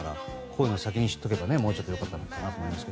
こういうのを先に知っておけばもうちょっと良かったのかなと思います。